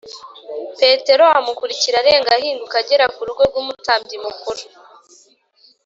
Petero amukurikira arenga ahinguka agera ku rugo rw’Umutambyi mukuru